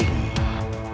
sekarang tugas kamu